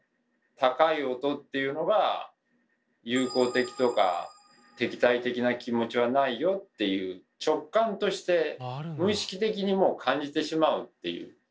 高い音っていうのは友好的とか「敵対的な気持ちはないよ」っていう直感として無意識的にもう感じてしまうっていう。